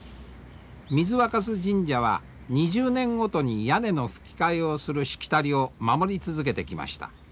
水若酢神社は２０年ごとに屋根のふき替えをするしきたりを守り続けてきました。